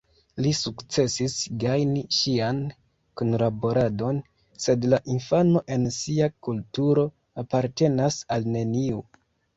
Li sukcesis gajni ŝian kunlaboradon, sed la infano en sia kulturo apartenas al neniu.